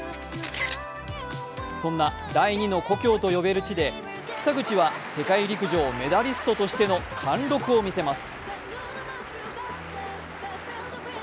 そんな第２の故郷と呼べる地で北口は世界陸上メダリストとしての貫禄を見せます。